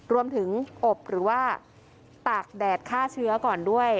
อบหรือว่าตากแดดฆ่าเชื้อก่อนด้วย